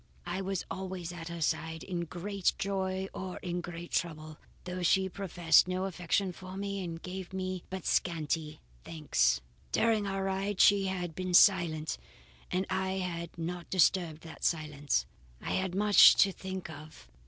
I was always at her side in great joy or in great trouble, though she professed no affection for me and gave me but scanty thanks." "During our ride she had been silent and I had not disturbed that silence. I had much to think of.